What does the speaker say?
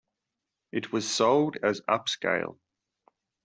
It was sold as upscale.